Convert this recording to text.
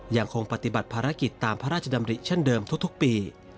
ยังคงปฏิบัติภารกิจตามพระราชดำริเช่นเดิมทุกปี